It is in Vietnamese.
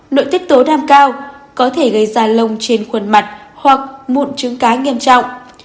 nội tiết tố đam cao có thể gây da lông trên khuôn mặt hoặc mụn trứng cá nghiêm trọng